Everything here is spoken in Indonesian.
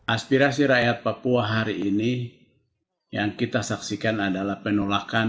aspirasi rakyat papua hari ini yang kita saksikan adalah penolakan